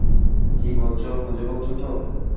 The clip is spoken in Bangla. কী বলছ বুঝে বলছ তো?